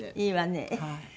いいわね。